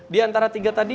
di antara tiga tadi